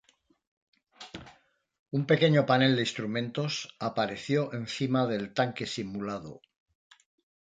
Un pequeño panel de instrumentos apareció encima del tanque simulado.